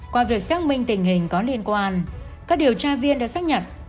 qua việc xác minh tình hình có liên quan các điều tra viên đã xác nhận